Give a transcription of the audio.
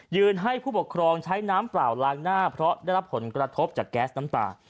ให้ผู้ปกครองใช้น้ำเปล่าล้างหน้าเพราะได้รับผลกระทบจากแก๊สน้ำตา